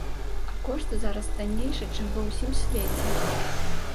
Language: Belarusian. А кошт зараз таннейшы, чым ва ўсім свеце.